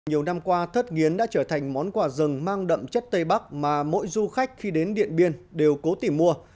nhiều năm qua thất nghiến đã trở thành món quà rừng mang đậm chất tây bắc mà mỗi du khách khi đến điện biên đều cố tình mua